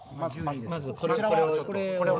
まずこちらを。